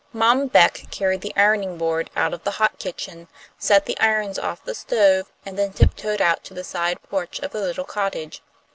Mom Beck carried the ironing board out of the hot kitchen, set the irons off the stove, and then tiptoed out to the side porch of the little cottage.